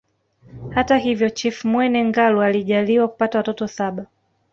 Hata hivyo Chifu Mwene Ngalu alijaaliwa kupata watoto saba